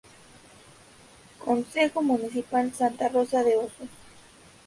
Concejo Municipal Santa Rosa de Osos.